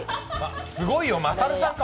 すごいよマサルさんか。